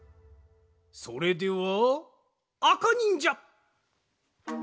それではあかにんじゃ。